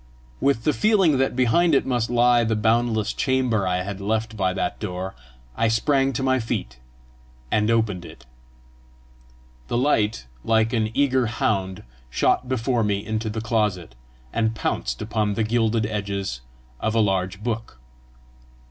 With the feeling that behind it must lie the boundless chamber I had left by that door, I sprang to my feet, and opened it. The light, like an eager hound, shot before me into the closet, and pounced upon the gilded edges of a large book.